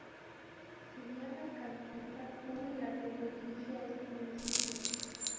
Si viaja en camioneta tome la que se dirige a este municipio.